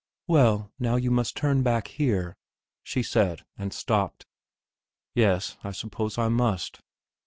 "Well, now you must turn back here," she said, and stopped. "Yes, I suppose I must."